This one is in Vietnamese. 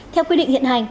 theo quy định hiện hành